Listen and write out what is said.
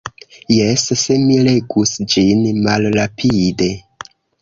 Jes, se mi legus ĝin malrapide.